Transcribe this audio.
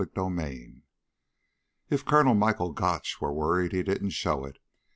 CHAPTER 7 If Colonel Michael Gotch were worried, he didn't show it.